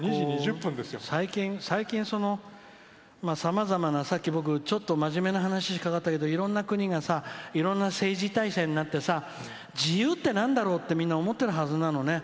最近、さまざまな真面目な話しかかったけどいろんな国がいろんな政治体制になって自由ってなんだろうってみんな思ってるはず。